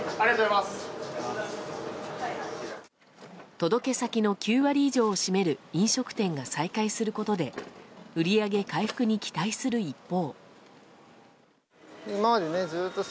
届け先の９割以上を占める飲食店が再開することで売り上げ回復に期待する一方。